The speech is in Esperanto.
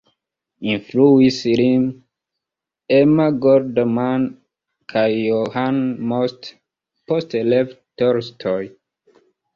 Influis lin Emma Goldman kaj Johann Most, poste Lev Tolstoj.